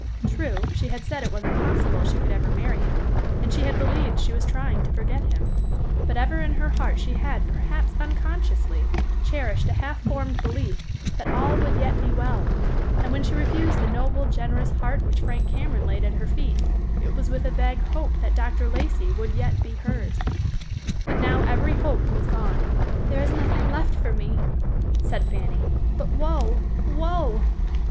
True, she had said it was impossible she could ever marry him; and she had believed she was trying to forget him; but ever in her heart she had, perhaps unconsciously, cherished a half formed belief that all would yet be well, and when she refused the noble, generous heart which Frank Cameron laid at her feet, it was with a vague hope that Dr. Lacey would yet be hers. But now every hope was gone. "There is nothing left for me," said Fanny, "but woe, woe!"